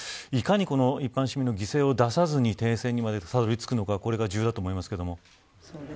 いかに一般市民の犠牲を出さずに停戦にたどり着くのかこれが重要だと思いますけども。